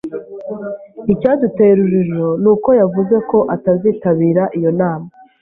Icyaduteye urujijo ni uko yavuze ko atazitabira iyo nama.